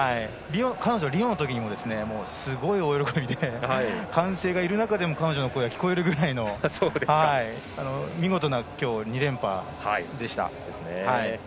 彼女、リオのときにもすごい大喜びで歓声がある中でも彼女の声が聞こえるくらいの見事な今日、２連覇でした。